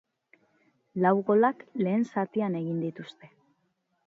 Lau golak lehen zatian egin dituzte.